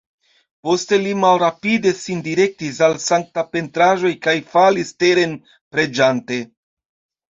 Poste li malrapide sin direktis al sanktaj pentraĵoj kaj falis teren, preĝante.